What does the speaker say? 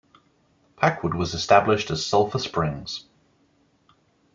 Packwood was established as Sulphur Springs.